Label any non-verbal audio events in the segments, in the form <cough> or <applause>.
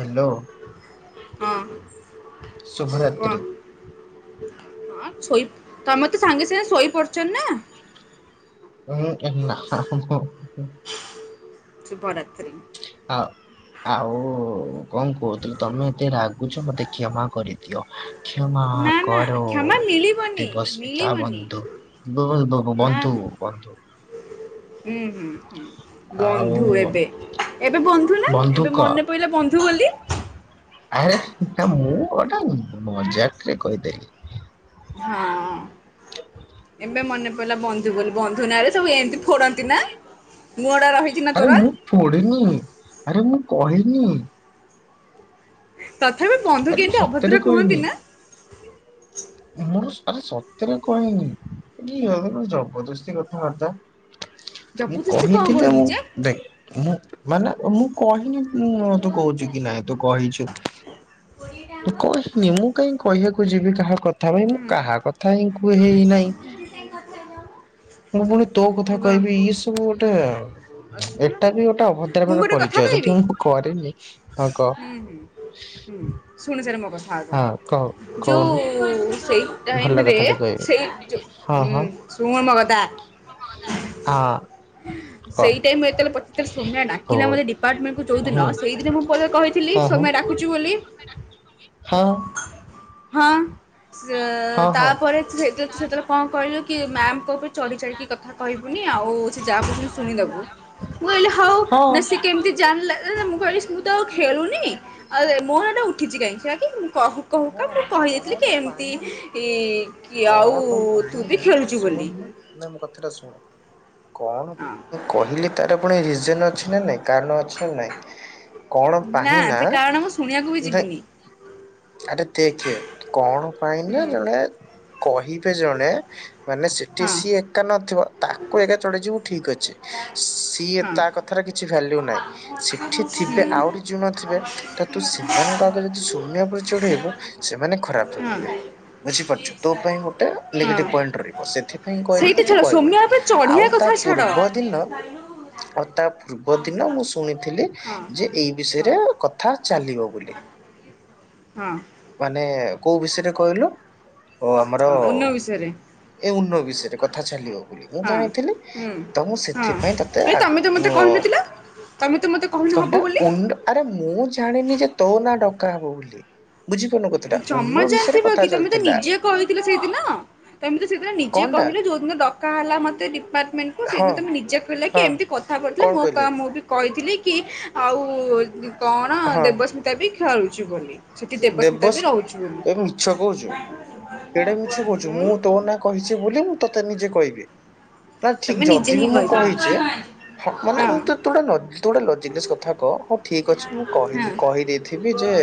Hello ହଁ। ଶୁଭରାତ୍ରି ଆଁ ଛୋଇ ତମେ ତ ସାଙ୍ଗେ ସାଙ୍ଗେ ଶୋଇପଡଚନ୍ତି ନା। ଉଁ ନା ମୁଁ ସୁଭରାତ୍ରି। ହ ଆଉ କଣ କହୁଥିଲି ତମେ ଏତେ ରାଗୁଛ ମତେ କ୍ଷମା କରି ଦିଅ କ୍ଷମା ନା ନା କର କ୍ଷମା ମିଳିବନି ଦେବସ୍ମିତା ମିଳିବନି ବନ୍ଧୁ ବୁ-ବ-ବନ୍ଧୁ ବନ୍ଧୁ। ଉଁ ହୁଁ ହୁଁ ଆଉ ବନ୍ଧୁ ଏବେ ଏବେ ବନ୍ଧୁ ନା ଏବେ ବନ୍ଧୁକ ମନେପଇଲା ବନ୍ଧୁ ବୋଲି। ଆରେ ନା ମୁଁ ଗୋଟା ମଜାକରେ କହିଦେଲି। ହଁ ଏବେ ମନେପଇଲା ବନ୍ଧୁ ବୋଲି ବନ୍ଧୁ ନାଁରେ ସବୁ ଏମତି ନା ଆରେ ତୋର ମୁଁ ଫୋଡି ନି ଆରେ ମୁଁ କହିନି। ତଥାପି ଆରେ ବନ୍ଧୁକୁ ମୁଁ ଏମତି ସତରେ ଅଭଦ୍ର କହିନି। କୁହନ୍ତି ନା। ମୁଁ ଆରେ ସତରେ କହିନି କି ଅ ଜବରଦସ୍ତି କଥାବାର୍ତ୍ତା। ମୁଁ ଜବରଦସ୍ତି କଣ କହିଥିଲେ କହିଲି ମୁଁ ଯେ ଦେଖ ମୁଁ ମାନେ ମୁଁ କହିନି ଉଁ ତୁ କହୁଚୁ କି ନାଇଁ ତୁ କହିଚୁ ମୁଁ କହିନି ମୁଁ କାଇଁ କହିବାକୁ ଯିବି। କାହା କ ତାବୋଲି ମୁଁ କାହା ହୁଁ କଥା ହିଁ କୁହେହି ନାହିଁ ମୁଁ ପୁଣି ତୋ କଥା କହିବି ଗ- ଇଏ ସବୁ ଗୋଟେ ଆଚ୍ଛା ଏଟା ବି ଗୋଟେ ମୁଁ ଅଭଦ୍ରାମିର ଗୋଟେ କଥା ପରିଚୟ ଯଦି କହିବି ମୁଁ କରେନି ହଁ କହ। ହୁଁ ହୁଁ ହୁଁ ଶୁଣିସାରେ ମୋ କଥା ଆଗ ହଁ କହୁ କହୁନୁ। ଯୋଉ ସେଇ ଭଲ ଟାଇରେ କଥାଟେ କହିବି ସେଇ ଯୋ ହଁ ହଁ। ଉଁ ଶୁଣୁ ମୋ କଥା ହଁ କ ସେଇ ଟାଇମରେ ମୁଁ ଯେତେବେଳେ ପଚାରିଥିଲି ସୋମ୍ୟା ଡାକିଲା ହୁଁ ମତେ ଡିପାର୍ଟମେଣ୍ଟକୁ ଯୋଉଦିନ ସେଇଦିନ ମୁଁ ପରେ କହିଥିଲି ହଁ ହଁ ସୋମ୍ୟା ଡାକୁଚି ବୋଲି। ହଁ ହଁ। ସେ ହଁ ହଁ ହଁ। ତାପରେ ତୁ ସେତେ ତୁ ସେତେବେଳେ କଣ କହିଲୁ କି ମ୍ୟାାମଙ୍କ ଉପରେ ଚଢି ଚାଢିକି କଥା କହିବୁନି ଆଉ ସେ ଯାହା କହୁଚନ୍ତି ଶୁଣିଦୋବୁ ମୁଁ କହିଲି ହୋଉ ନା ସେ ହଁ କେମିତି ଜାଣିଲା ଆ ମୁଁ କହିଲି ସି ମୁଁ ତ ଆଉ ଖେଳୁନି ଆଉ ମୋ ନାଁଟା ଉଠିଛି କାହିଁକି ସେୟାକି ମୁଁ କହୁ ନା କହୁକା ମୁଁ କଣ କହିଦେଇଥିଲି କି ଏମିତି ପାଇଁ କି ଆଉ କଣ ତୁ ପାଇଁ ବି ନା ଖେଳୁଛୁ ବୋଲି। ଶୁଣନୁ ନା ମୋ କଥାଟା ଶୁଣ। କଣ ହଁ <inaudible> କହିଲେ? ତାର ପୁଣି ରିଜିନ ଅଛି ନା ନାଇଁ। କାରଣ ଅଛି ନା ନାଇଁ କଣ ପାଇଁ ହିଁ ନା ସେ କାରଣ ମୁଁ ଶୁଣିବାକୁ ବି ଯିବିନି ଆରେ ଦେଖେ କଣ ପାଇଁ ନାଁ ହୁଁ ଜଣେ କହିତେ ଜଣେ ମାନେ ସେଠି ହଁ ସିଏ ଏକା ନ ତାକୁ ଏକା ଚଢ଼ି ଯିବୁ ଠିକ ଅଛି ସିଏ ହଁ। ତା କଥାରେ କିଛି ଭାଲ୍ୟୁ ନାହିଁ ହଁ ଏଠି ଥିବେ ଆହୁରି ଯେଉଁ ନଥିବେ ତ ତୁ ସେମାନଙ୍କ ଆଗରେ ଯଦି ସୋମ୍ୟ ଉପ କିଛି ଗୋଟେ ହବ ସେମାନେ ଖରାପ ଭାବିବେ ବୁଝିପାରୁଚୁ ତୋ ପାଇଁ ଗୋଟେ ନେଗେଟିଭ ପଏଣ୍ଟ ରହିବ ସେଥିପା କାହିଁକି କହିଲୁ କି ସେଇଟା ତୁ ଛାଡ ସୌମ୍ୟ କହିବୁନି ଉପରେ ଚଢିବା ଆଉ ତା କଥା ଛାଡ। ପୂର୍ବ ଦିନ ଆଉ ତା ପୂର୍ବ ଦିନ ମୁଁ ଶୁଣିଥିଲି। ହଁ ଯେ ଏଇ ବିଷୟରେ କଥା ଚାଲିବ ବୋଲି ହଁ ମାନେ କୋଉ ବିଷୟରେ କହିଲୁ? ଓ ଆମର ହଁ ଉନ ବିଷୟରେ ଏ ଉନ୍ନ ବିଷୟରେ କଥା ଚାଲିବ ବୋଲି ମୁଁ ହଁ ଜାଣିଥିଲି ହୁଁ ତ ମୁଁ ହଁ ସେଥିପାଇଁ ତତେ ଏ ଆଗ ତମେ ତ ମତେ ଉଙ କହିନଥିଲ ତମେ ତ ମତେ କହିନ ହବ କଣଟା ବୋଲି। ଉନ ଆରେ ମୁଁ ଜାଣିନି ଯେ ତୋ ନା ଡକା ହବ ବୋଲି। ହ <unintelligible> ଜମା ଜାଣିଥିବ କି ତମେ ତ ଚାଲିଥିଲା ନିଜେ କହିଥିଲେ ସେଇଦିନ ଯେମିତି ତମେ ତ ସେଇଦିନ ନିଜେ କଣଟା କହିଲ ଯୋଉ ଦିନ ଡକା ହେଲା ମତେ ଡିପା ମେଣ୍ଟକୁ ହଁ ସେଇଦିନ ତମେ ନିଜେ କହିଲ କି ହଁ ଏମିତି କଥା ପଡିଥିଲା କଣ ମୋ କହିଲେ କାମ ମୁଁ ବି କହିଥି କହିଥିଲି କି ଆଉ କଣ ହଁ ଦେବସ୍ମିତା ବି ଖେଳୁଛି ବୋଲି ସେଥି ଦେବ ବାସ ଏ ମିଛ କୋହୁଚୁ କେଡେ ମିଛ କୋହୁଚୁ ମୁଁ ହୁଁ ତୋ ନାଁ କହିଚି ବୋଲି ମୁଁ ତୋତେ ନିଜେ କହିବି। ସେଟା ଠିକ ତମେ ନିଜେ ଯଦି ହିଁ ବି ମୁଁ କହିଥିଲ। କହିଚି ହଁ ମାନେ ମୁଁ ତତେ ଗୋଟେ ଲଜି ତୁ ଗୋଟେ ଲଜିକିନେସ କଥା କହ ହୋଉ ଠିକ ଅଛି ମୁଁ ହଁ କହିଲି କହିଦେଇଥିବି ଯେ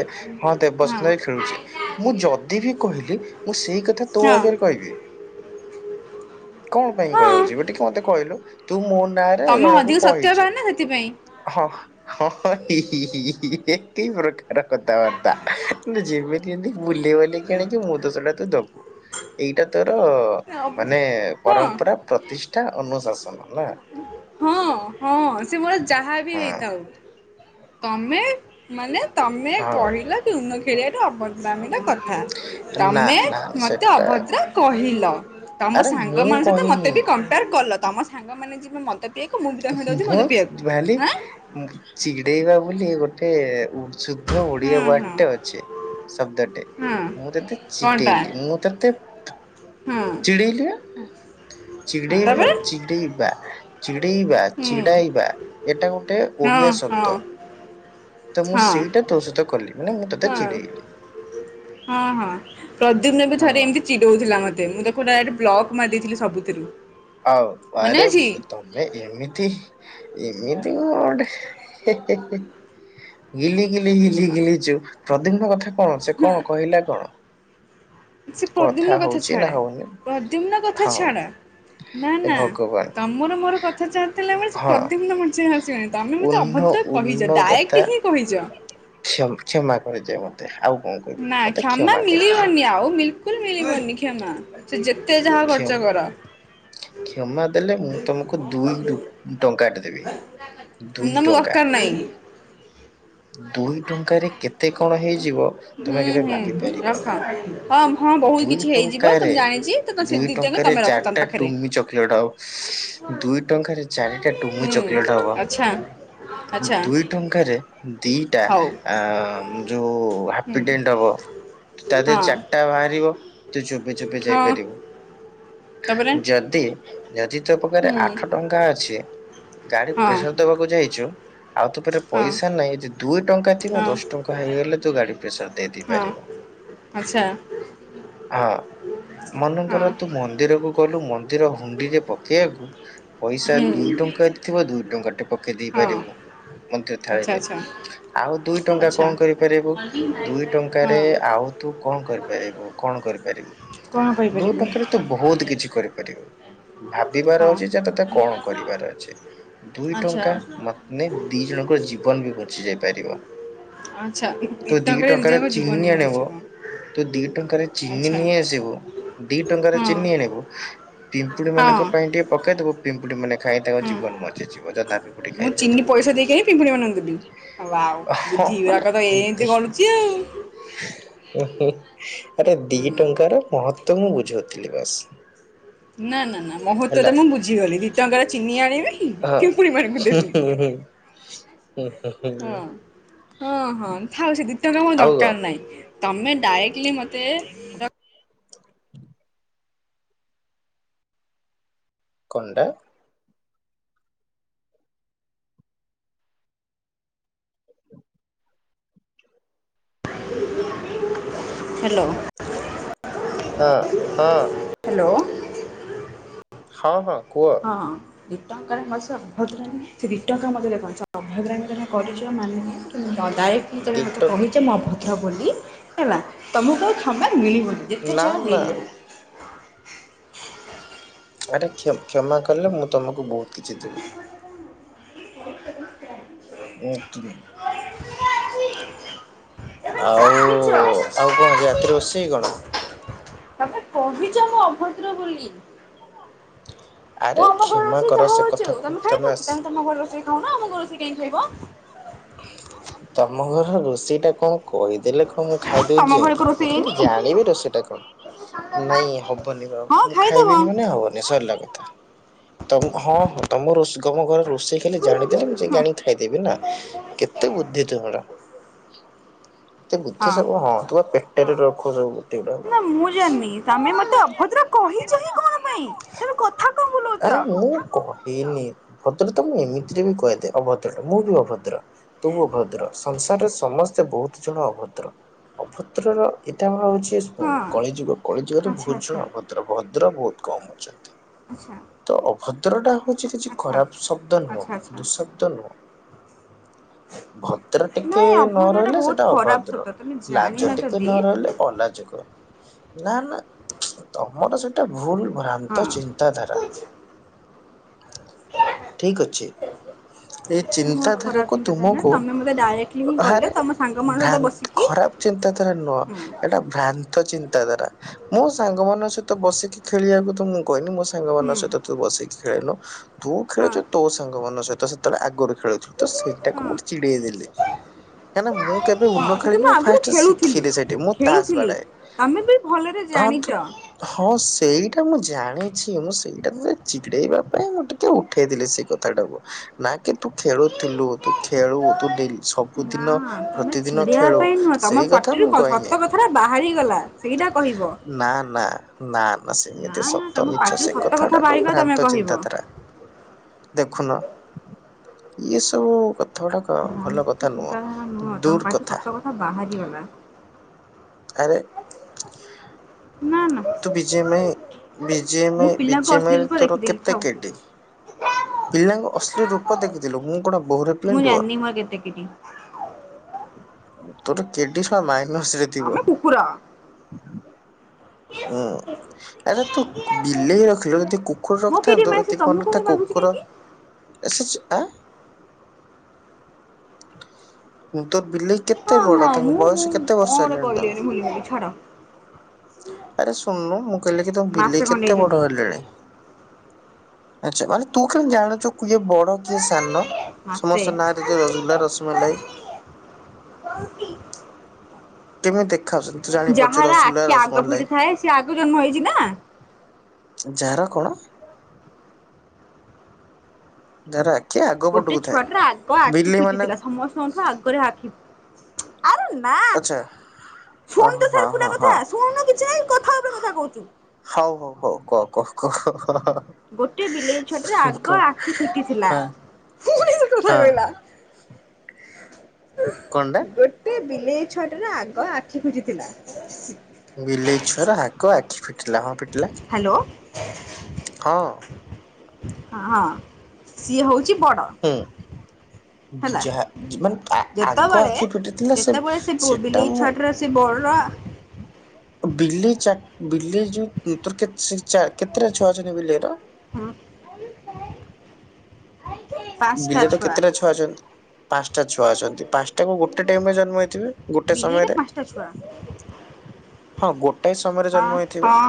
ହଁ ଦେବସ୍ମିତା ହିଁ ଖେଳୁଚି ମୁଁ ଯଦି ବି କହିଲି ମୁଁ ସେଇ କଥା ତୋ ହଁ ଆଗରେ କହିବି। କଣ ପାଇଁ ହଁ। କହିବାକୁ ଯିବି ଟିକେ ମତେ କହିଲୁ। ତୁ ମୋ ନାଁ ରେ ତମେ ଜଣକୁ ଅଧିକ ସତ୍ୟବାନ କହିଚୁ ନା ସେଥିପାଇଁ। ହଁ ହଁ ଟି। <unintelligible> ଇଏ କି ପ୍ରକାର କଥାବା ବାଲିକି ଆଣିକି ମୋ ଦୋଷଟା ତୁ ଦବୁ। ଏଇଟା ତ ତ ମାନେ ହଁ ପରମ୍ପରା ପ୍ରତି ଏଠା ଅନୁଶାସନ ନା। ହଁ ହଁ ସେ ମୋର ଯାହା ବି ହଁ ହେଇଥାଉ। ତମେ। ମାନେ ତମେ ହଁ କହିଲ କି ଉନ ଖେଳିଆ। ଅଭଦ୍ରାମି ନା କର। ହ ନା ତମେ। ନା ସେଟା ତମ ଆରେ ମୁଁ ସାଙ୍ଗମାନେ କହିନି ଯିବେ ମ ମୋ ଭାଲି ଆଁ ଚିଡେଇବା। ବୋଲି ଗୋଟେ ଉ ଶୁଦ୍ଧ ଓଡ଼ିଆ ହଁ ହଁ ୱାର୍ଡ ଟେ ଅଛି। ଶବ୍ଦଟେ ହଁ ମୁଁ ତତେ କଣଟା <unintelligible> ହଁ ଚିଡ଼େଇଲା। ହଁ ଚିଡ଼େଇବ ତାପରେ ଚିଡ଼େଇବା ଚି ହୁଁ ଚିଡ଼ାଇବା ଏଇଟା ଗୋଟେ ହଁ ଓଡିଆ ହଁ ଶବ୍ଦ ତ ହଁ ମୁଁ ସେଇଟା ତୋସହି କ ହଁ ହଁ ହଁ ପ୍ରଦୁମ୍ନ ବି ହଁ ଥରେ ଏମିତି ଚିଡଉଥିଲା ମତେ ମୁଁ ତାକୁ ଡାଇରେକ୍ଟ ବ୍ଲଗ ମାରିଦେଇଥିଲି ସବୁଥିରୁ। ଆଉ ମନେ ଆରେ ଅଛି। ତମେ ଏମିତି। ଏମିତି କଅଣ ଗଟେ ହେ-ହେ-ହେ। ଗିଲି ଗିଲି ଗିଲି ଗିଲି ଗିଲିଚୁ। ବିଭିନ୍ନ କଥା। କଣ ସେ କଣ କହିଲା କଣ? ସେ ପ୍ରଦ୍ୟୁମ୍ନ କଥା ହଉଛି ନା ଛାଡେ ହଉନି ପ୍ରଦ୍ୟୁମ୍ନ କଥା ହଁ ଛାଡ ନା ଏ ନା ଭଗବାନ ତମର ମୋର କଥା ଚାହାଥିଲାବେଳେ ସେ ହଁ ପ୍ରଦ୍ୟୁମ୍ନ ମଝିରେ ଆସିବନି ତମେ ମତେ ଉର୍ଣ୍ଣ ଅଭଦ୍ର କହିଛ ଡାଇରେକ୍ଟ ହିଁ କହିଛ। କ୍ଷ-କ୍ଷମା କ୍ଷମା କରିଦେ ମତେ ଆଉ କଣ କହିବି ନା ମତେ କ୍ଷମା କରିଦିଅ ମିିଳିବନି ଆଉ ବି ବିଲକୁଲ ମିଳିଭଣି କ୍ଷମା। ସେ ଯେତେ ଯାହା ଖର୍ଚ୍ଚ କର କ୍ଷମା କ୍ଷମା ଦେଲେ ମୁଁ ତମକୁ ଦୁଇ ଟଙ୍କା ଦେବି ଦୁଇ ତମେ ଟଙ୍କା ଦରକାର ନାହିଁ ଦୁଇ ଟଙ୍କାରେ କେତେ କଣ ହେଇଯିବ ହୁଁ ତମେ କେବେ ହୁଁ ଭାବି ରଖ ପାରିବନି ହଁ ହଁ ବହୁତ ଦୁଇ କିଛି ହେଇଯିବ ଟଙ୍କାରେ ତମେ ଜାଣିଛି ତ ସେ ଦୁଇ ଦିଟାଙ୍କ ଟଙ୍କାରେ ତମେ ରଖ ତମ ଚାରିଟା ପାଖରେ ଟୁମି ଚକୋଲେଟ ହବ ଦୁଇ ଟଙ୍କାରେ ଚାରିଟା ଟୁମି ହୁଁ ଚକୋଲେଟ ହବ ଆଚ୍ଛା ଆଚ୍ଛା ଦୁଇ ଟଙ୍କାରେ ଦି ହଉ ଆ ଯୋଉ ହୁଁ ହାପିଡେଣ୍ଟ ହବ ତା ହଁ ଦେହରେ ଚା <unintelligible> ବାହାରିବ ତୁ ଚୋବେଇ ଚୋବେଇ ହଁ ଯାଇପାରିବୁ। ତାପରେ ଯଦି ଯଦି ତୋ ପାଖରେ ହୁଁ ଆଠ ଟଙ୍କା ଅଛି ଗାଡି ହଁ ପ୍ରେସର ଦବାକୁ ଯାଇଛୁ, ଆଉ ତୋ ପାଖରେ ହଁ ପଇସା ନାହିଁ, ଯଦି ଦୁଇ ଟଙ୍କା ଥିବ ହଁ ଦଶ ଟଙ୍କା ହେଇଗଲେ ତୁ ଗାଡି ପ୍ରେସର ହଁ ଦେଇଦେଇପାରିବୁ। ଆଚ୍ଛା ହଁ ମନେ କର ହଁ ତୁ ମ ମନ୍ଦିରକୁ ଗଲୁ ମନ୍ଦିର ହୁଣ୍ଡିରେ ପକେଇଆକୁ ପଇସା ଦୁଇ ହୁଁ ଟଙ୍କାଟେ ଥିବ ଦୁଇ ଟଙ୍କା ଟେ ପକେଇ ଦେଇ ହଁ ପାରିବୁ ମନ୍ଦିର ଆଚ୍ଛା ଥାଳିରେ। ଆଚ୍ଛା ଆଉ ଦୁଇ ଟଙ୍କା ଆଚ୍ଛା କଣ କରିପାରିବୁ? ଦୁଇ ଟଙ୍କାରେ ହଁ ଆଉ ତୁ କଣ କରିପାରିବୁ? କଣ କରିପାରିବୁ? କଣ ଦୁଇ କରିପାରିବି? ଟଙ୍କାରେ ତୁ <unintelligible> କରିପାରିବୁ। ଭାବିବାର ଅଛି ଯେ ତତେ କଣ କରିବାର ଅଛି। ଦୁଇ ଆଚ୍ଛା ଟଙ୍କା ମତେ ଦି ଜଣଙ୍କ ଜୀବନ ବି ବଞ୍ଚି ଯାଇପାରିବ। ଆଚ୍ଛା ତୁ ଦି ଟଙ୍କାରେ ଜଣଙ୍କ ଜୀବନ ଚିନି ଆଣିବ। ବଞ୍ଚିଯିବ ତୁ ଦି ଟଙ୍କାରେ ଚିନି ଆଚ୍ଛା ନେଇ ଆସିବୁ। ଦି ଟଙ୍କାରେ ହଁ ଚିନି ଆଣିବୁ ପିମ୍ପୁଡି ହଁ ମାନଙ୍କ ପାଇଁ ଟିକେ ପକେଇଦବୁ ପିମ୍ପୁଡ଼ି ମାନେ ଖାଇ ତାଙ୍କ ହଁ ଜୀବନ ମଜି ଯିବ ଯଥା ପିମ୍ପୁଡି ମୁଁ ଖାଇଦେଲେ। ଚିନି ପଇସା ଦେଇକି ହିଁ ପିମ୍ପୁଡ଼ିମାନଙ୍କୁ ଦେବି ୱାଓ ଆ ହଁ ବୁଦ୍ଧି ମାନେ ଗୁଡ଼ାକ ତ ଏମିତି ଗଳୁଛି ଆଉ ଆରେ ଦି ହୁଁ ଟଙ୍କାର ମହ ତତେ ମୁଁ ବୁଝଉ ଥିଲି ବାସ୍। ନା ନା ନା ମହତ୍ବଟା ହେଲା <unintelligible> ବୁଝିଗଲି। ଦିଟଙ୍କାର ଚିନି ଆଣିବି ହଁ ପିମ୍ପୁଡିମାନଙ୍କୁ ଦେବି। ହୁଁ ହୁଁ ହୁଁ ହୁଁ ହୁଁ ହଁ। ହୁଁ ହଁ ହଁ ଥାଉ ସେ <unintelligible> ମୋର ଆଉ କଣ ଦରକାର ନାଇଁ। ତମେ ଡାଇରେକ୍ଟଲି ମତେ ର କଣଟା? ହାଲୋ। ହଁ ହଁ। ହାଲୋ। ହଁ ହଁ। କୁହ ହଁ। ଦିଟଙ୍କାରେ <unintelligible> ଅଭଦ୍ରାମୀ ତମେ କରିଚ ମାନେ <unintelligible> ଡାଇରେକ୍ଟଲି ତମେ ଦି ମତେ ଟଙ୍କା କହିଚ ମୁଁ ଅଭ ଦ୍ର ବୋଲି ହେଲା ତମକୁ ଆଉ କ୍ଷମା ମିଳିବନି ଯେତେ ନା ଯାହା ନା ହେଇଯାଉ। <inaudible> ଆରେ କ୍ଷମା କଲେ ମୁଁ ତମକୁ ବହୁତ କିଛି ଦେବି। <inaudible> ହଁ ଉଠିନୁ। ଆଉ ଆଉ କଣ ଆଜି ରାତିରେ ରୋଷେଇ କଣ? ତମେ କବିଛ ମୁଁ ଅଭଦ୍ର ବୋଲି। ମୁଁ ଆରେ ଆମ ଘର କ୍ଷମା ରୋଷେଇ କର ଯା ସେ ହଉଛିଉ କଥାକୁ ତମେ ଖାଇବ ତମେ ତମ ଘରେ ରଷେଇ। ତୁ ଆମ ଘଷ ଟାଇ ଖାଇବ। ସେଇଟା କଣ? କହିଦେଲେ କଣ ମୁଁ ଖାଇଦଉଛି ତମ ଘରେ ଯାଇକ କଣ ମୁଁ ରୋଷେଇ ଖାଲି ହେଇନି ଜାଣିବି ରୋଷେଇ ଟା କଣ ନାଇଁ ହବନି ବା ହଁ ମୁଁ ଖାଇଦବ ଖାଇବିନି ମାନେ ହବନି ସରିଲା କଥା। ତ ହଁ ହଁ ତମ ରୋଷ ତମ ଘରେଷ। ରୋଷେଇ ଖାଲି ଜାଣିଦେଲେ ମୁଁ ଯାଇକି ହଁ ଆଣିକି ଖାଇଦେବି ନା। ଏତେ ବୁଦ୍ଧି ତୁର ଏତେ ବୁଦ୍ଧି ସବୁ ହଁ ତୁ। ଏରେ ରଖ ସବୁ। ଗୁଡାକ। ନା ମୁଁ ଜାଣିନି ତମେ ମତେ ଅଭଦ୍ରା କହିଛି କଣ ପାଇଁ ତମ କଥା କଣ ଆରେ ବୁଲଉଛ। ମୁଁ କହେନି ମୁଁ ଭଦ୍ର ତମକୁ ଏମିତିରେ ବି କହିଦିଏ ଅଭଦ୍ରଟା ମୁଁ ବି ଅଭଦ୍ର। ତୁ ଭଦ୍ର ସଂସାରରେ ସମସ୍ତ ବହୁତ ଜଣ ଅଭଦ୍ର ଅଭଦ୍ରର ଏଇଟା ଆର ହଉଛି। ହଁ କଳିଯୁଗ କଳି ଯୁଗରେ ଆଚ୍ଛା ବହୁତ ଆଚ୍ଛା ଜଣ ଅଭଦ୍ର ଭଦ୍ର। ଭଦ୍ର ବହୁତ କମ୍ ଅଛନ୍ତି। ଆଚ୍ଛା। ତ ଅଭଦ୍ର ଟା। ଉଛି କିଛି ଆଚ୍ଛା। ଖରାପ ଶବ୍ଦ ନୁହଁ ଆଚ୍ଛା ଆଚ୍ଛା ଦୁଃଶବ୍ଦ ନୁହଁ ଭଦ୍ର ଟିକେ ନାଇଁ ନ ଅଭଦ୍ର ଟା ରହିଲେ ବହୁତ ସେଟା ଖରାପ ଅଭଦ୍ର ଶବ୍ଦ ତମେ ଲାଜ ଜାଣିନ ଟିକେ ଯଦି ନ ରହିଲେ ଅଲାାଜକ। ନା ନା ତମର ସେଇଟା ଭୁଲ। ହଁ ଭ୍ରାନ୍ତ ଚିନ୍ତାଧାରା। ଠିକ ଅଛି ଏ କିଛି ମୋର ଚିନ୍ତାଧାରା ଖରାପ କୁ ଚିନ୍ତାଧାରା ନୁହେଁ ତୁମକୁ ତମେ ମୋତେ ଡାଇରେକ୍ଟଲି ହିଁ କହିଲ ହରେ ତମ ସାଙ୍ଗମାନଙ୍କ ଭ୍ରା ସହିତ ବସିକି ଖରାପ ଚିନ୍ତାଧାରା ନୁହଁ ହୁଁ ଏଟା ଭ୍ରାନ୍ତ ଚିନ୍ତା। ଦଵାରା ମୋ ସାଙ୍ଗ ମାନଙ୍କ ସହିତ ବସିକି ଖେଳିବାକୁ ତ ମୁଁ। କହନି ମୋ ହୁଁ ସାଙ୍ଗମାନଙ୍କ। ସେ ଖେଳୀନ। ତୁ ହଁ ଖେଳୁଛୁ ତୋ ସାଙ୍ଗ ମନ ସହିତ ତ ସେତେବେଳେ ଆଗରୁ ସେଇଟାକୁ ହଁ ମୁ ଚିଡେଇ ଦେଲି କାହିଁକନା ମୁଁ କେବେ ଉନ ହଁ ସେତ ଖେଳିନି ମୁଁ ମୁ ଫା ଆଗରୁ ଖେଳୁଥିଲି ଶିଖିଲି ସେଠି ମୁଁ ତାସ ଖେଳୁଥିଲି ବାଡାଏ ତମେ ବି ଭଲରେ କୁ ଜାଣିଛ ହଁ ସେଇଟା ମୁଁ ଜାଣିଛି ମୁଁ ସେଇଟା ଚିଗଡେଇବା ପାଇଁ ମୁଁ ଟିକେ ଉଠେଇ ଦେି ସେଇ କଥାଟାକୁ ନା କି ତୁ ଖେଳୁଥିଲୁ ତୁ ଖେଳୁ ତୁଡ ନା ସବୁଦିନ ତମେ ପ୍ରତିଦିନ ଚିଡେଇବା ଖେଳୁ ପାଇଁ ନୁହଁ ତମ ସେଇ କଥା ପାଟିରୁ ମୁଁ ସତ କହିନି କଥାଟା ବାହାରିଗଲା ସେଇଟା କହିବ। ନା ନା ନା ନା ସେମିତି ନା ସତ ତମ ମିଛ ପାଟିରୁ ସେ ସତ କଥା ଗୁଡାକ ବାହାରିଗଲା ତମେ ଭ୍ରାନ୍ତ କହିବ। ଚିନ୍ତାଧାରା <inaudible> ଦେଖୁନ। ଏଇଏ ସବୁ କ ୍ର ଚିନ୍ତାଧାର ନୁ ତ ପାଠ ସ୍ତ କଥା ବାହାରିଗଲା। ଆରେ <inaudible> ନା ନା ତୁ ବିଜୟ ମାଇଁ ମୁଁ ପିଲାଙ୍କୁ ବିଜୟ ଅଶ୍ଳୀଳ ମାଇଁ ରୂପ ତୋର ଦେଖିଥିଲି କେତେ ଥାଉ। କେଡି। ପିଲାଙ୍କୁ ଅଶ୍ଳୀ ରୂପ ଦେଖିଥିଲୁ ମୁଁ କଣ ବୋହୂରେ ମୁଁ ପିନ୍ଧୁଅ ଜାଣିନି ମୋର କେତେ କେଜି? ତୁ ତ କିଡିସ ମାଇ ନସରେ ଥିବ ତମେ କୁକୁର <inaudible> ହୁଁ ଏଟା ତୁ ବିଲେଇ ହ ରଖିଲୁ ଯଦି କୁକୁର ମୋ କିଟି ରଖିଥାନ୍ତୁ ମାନେ ସେ ଏତିକି ତମକୁ କାଇଁ ବାଧୁଛି ନଥା କାହିଁକି? ଏ ଆ <inaudible> ତୋର ବିଲେଇ କେତେ ହଁ ବଡ ହଁ ତାଙ୍କ ମୁଁ ମୁଁ ବୟସ କେତେ କଣ ବର୍ଷ ଗୋଟେ ହେଲାଣି ତାଙ୍କୁ କହିଲିଣି ଭୁଲି ଭୁଲି ଛାଡ। ଆରେ ଶୁଣୁନୁ ମୁଁ କହିଲି କି ତାଙ୍କୁ ମାସେ ବିଲେଇ ଖଣ୍ଡେ କେତେ ହେଇଛନ୍ତି ବଡ ହେଲେ। ଆଚଛା ମାନେ ତୁ କେଣ ଜଣ ଚୁ କିଏ ବଡ କିଏ ସାନ ମାସେ ସମସ୍ତ ନାଁରେ ଯୋ ରସଗୁଲ୍ଲା ରନ୍ଧନ ଛ ରସମଲାଇ କେମିତି ଦେଖାାଉଛନ୍ତି ତୁ ଜାଣିପାରୁଛୁ ଯାହାର ରସଗୁଲ୍ଲ ଆଖି ଆଗ ରସମଲ୍ଲାଇ ଫିଟୁ <inaudible> ଥାଏ ସେ ଆଗ ଜନ୍ମ ହେଇଛି ନା। ଯାହାର କଣ ଧରା ଗୋଟେ ଛୁଆଟାରୁ ଆଗ ଆଖି ମାନେ ପିଟିଥିଲା ସମସ୍ତଙ୍କଠୁ ଆଗରେ ଆଖି <inaudible> ଆ ନା ଆଚ୍ଛା ଓ ଶୁଣ ହୋ ତୁ ହଁ ସାର୍ ପୁରୁରା ହଁ କଥା ହଁ ଶୁଣୁନ କିଛି କଥା ଉପ ଉପରେ କଥା କହୁଛି। <inaudible> ହଉ ହଉ ହଉ କହ କହ କହ ଗୋଟେ ବିଲେଇ ଛଡରେ ଆଗ ଆଖି ଫିଟିଥିଲା ହଁ ପୁଣି କଥା କହିଲା। ୋ କଣ୍ଡା ମେ ଛଅଟାରେ ଆଗ ଆଖି ଖୋଜିଥିଲା। ହେଲା ହଁ ଫିଟିଲା ହ୍ୟାଲୋ <inaudible> ହଁ ହ ହଁ ସିଏ ହଉଛି ହୁଁ ହେଲା ଯାହା ମାନେ ଆ ଆଗ ଯେତେବେଳେ ଆଖି ଫିଟିଥିଲା ସେ ଯେତେବେଳେ ସିଏ ସେଟା ବିଲେଇ ମୁଁ ଛୁଆଟିର ସିଏ ବଡ଼ ବିଲେଇ ଚାଟ୍ ବିଲେଇ ଯୋଉ ତର୍କାରି ଚାର କେତେଟା ଛୁଆ ଅଛନ୍ତି ବିଲେଇ ର? ବିଲେଇର କେତେଟା ଛୁଆ ଅଛନ୍ତି? ପାନ୍ସଟା ଛୁଆ ଅଛନ୍ତି ପାନ୍ ତାକୁ ଗୋଟେ ଟାଇମରେ ଜନ୍ମ ହେଇଥିବେ ଗୋଟେ ବିଲେଇର ସମୟରେ ପାଞ୍ଚଟା ଛୁଆ ହଁ ଗୋଟାଏ ସମୟରେ ହଁ ଜନ୍ମ ହେଇଥିବେ ହଁ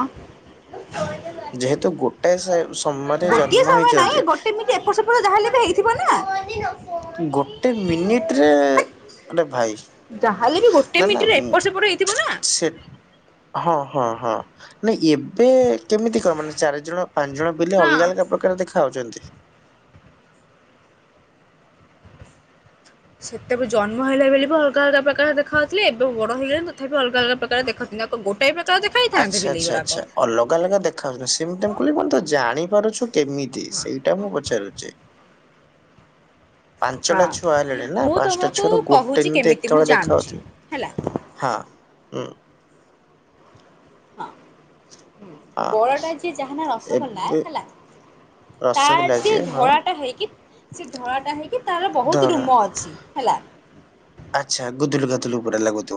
ଯେହେତୁ ଗୋଟାଏ ସ ସମୟରେ ଗୋଟିଏ ଜନ୍ମ ହେଇଚନ୍ତି ଥିବ ନା। ଗୋଟେ ମିନିଟରେ ଆରେ ଭାଇ। ଯାହାହେଲେ ବି ଗୋଟେ ନା ନା ମିନଟିରେ ଏପଟ ସେପଟ ହେଇଥିବ ନା। ସେ ହଁ ହଁ ହଁ ନାଇଁ ଏବେ କେମିତି କ ମାନେ ଚାରିଜଣ। ପାଞ୍ଚ ଜଣ ପିଲେ ହଁ। ଅଲଗା ଅଲଗା ପ୍ରକାର ଦେଖାଯାଉଚନ୍ତି। ସେତେବେ ଜନ୍ମ ହେଲାବେଳେ ବି ଅଲଗା ଅଲଗା ପ୍ରକାର ଦେଖାଉଥିଲେ ଏବେ ବଡ ହେଇଗଲେଣି ତଥାପି ଅଲଗା ଅଲଗା ପ୍ରକାର ଦେଖାଉଚନ୍ତି ଆଉ କଣ ଗୋଟାଏ ପ୍ରକାର ଦେଖା ହେଇଥାନ୍ତେ ଆଚ୍ଛା ବିଲେଇ ଆଚ୍ଛା ଗୁରାକ। ଆଚ୍ଛା ଅଲଗା ଅଲଗା ଦେଖାଉଚନ୍ତି ସେମିତି <unintelligible> ଜାଣି ପାରୁଛୁ। କେମିତି ସେଇଟା ମୁଁ ପଚାରୁଚି। ପାଞ୍ଚଟା ହଁ। ଛୁଆ ହେଲେଣି ନା ମୁଁ ପାଞ୍ଚଟା ତମକୁ ଛୁଆ ରୁ ଗୋଟେ କହୁଛି କେମିତି ଏକା ମୁଁ ବେଳେ ଦେଖା ଜାଣୁଛି ହେଲା ହେଉଥିବେ ହଁ ହୁଁ। ହଁ। ହଁ ବଳଟା ଯିଏ ଯାହାନା ରସଗୋଲା ଏବେ ହେଲା ତାର ରସଗୋଲା ଠି ଯିଏ ହଁ ଧଳାଟା ହେଇକି ସେ ଧଳା ଟା ହେଇକି ତାର ବହୁତ ଧଳା ରୁମ ଅଛି ହେଲା ଦୁଲୁ ପୁରା ଲାଗୁଥୁବ।